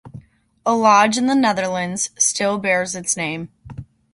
A lodge in the Netherlands still bears its name.